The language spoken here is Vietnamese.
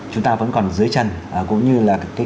chúng ta vẫn còn dưới chân cũng như là